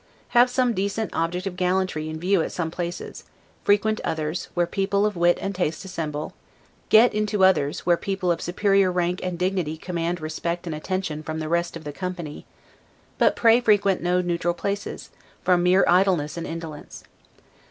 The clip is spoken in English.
Have some decent object of gallantry in view at some places; frequent others, where people of wit and taste assemble; get into others, where people of superior rank and dignity command respect and attention from the rest of the company; but pray frequent no neutral places, from mere idleness and indolence.